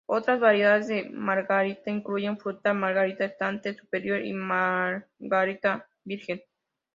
Otras variedades de margarita incluyen fruta, margarita estante superior y margarita virgen.